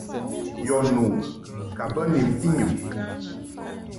Yɔ nu ka bə ni mfɨnyum.